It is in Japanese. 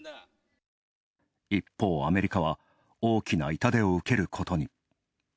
一方、アメリカは大きな痛手を受けることに。